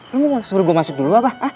lo mau suruh gue masuk dulu apa